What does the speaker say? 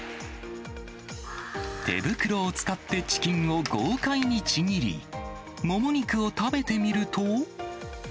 手袋を使ってチキンを豪快にちぎり、モモ肉を食べてみると。